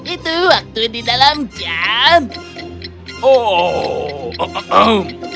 itu waktu di dalam jam oh